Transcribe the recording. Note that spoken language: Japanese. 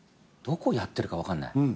どこやってるか分かんない？